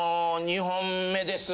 ２本目です。